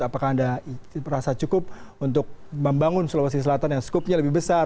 apakah anda merasa cukup untuk membangun sulawesi selatan yang skupnya lebih besar